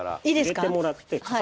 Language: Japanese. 入れてもらって。